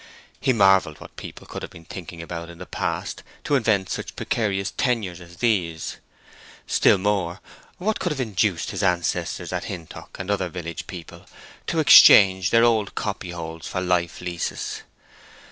He marvelled what people could have been thinking about in the past to invent such precarious tenures as these; still more, what could have induced his ancestors at Hintock, and other village people, to exchange their old copyholds for life leases.